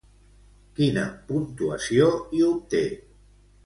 Quina puntuació hi obté?